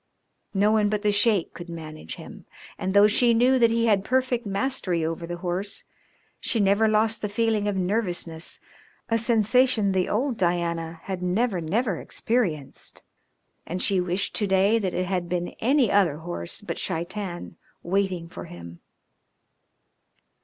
No one but the Sheik could manage him, and though she knew that he had perfect mastery over the horse, she never lost the feeling of nervousness, a sensation the old Diana had never, never experienced, and she wished to day that it had been any other horse but Shaitan waiting for him.